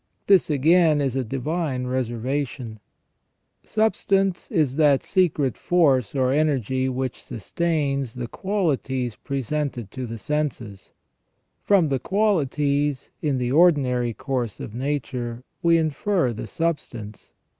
This, again, is a divine reservation. Substance THE REGENERATION OF MAN 367 is that secret force or energy which sustains the qualities presented to the senses. From the qualities, in the ordinary course of nature, we infer the substance.